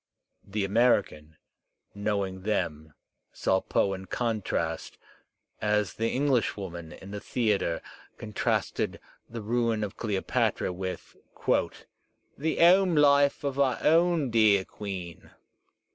The American, knowing them, saw Poe in contrast, as the Englishwoman in the thea tre contrasted the ruin of Cleopatra with "the 'ome life of our own dear Queen."